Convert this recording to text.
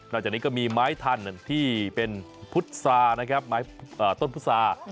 จากนี้ก็มีไม้ทันที่เป็นพุทธศานะครับไม้ต้นพุษา